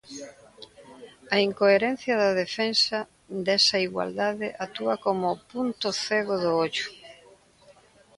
A incoherencia da defensa desa igualdade actúa como o punto cego do ollo.